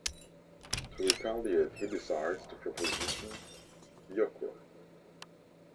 To retaliate, he decides to proposition Yoko.